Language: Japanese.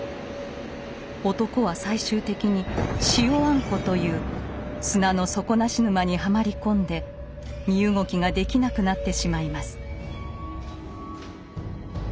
男は最終的に「塩あんこ」という砂の底なし沼にはまり込んで身動きができなくなってしまいます。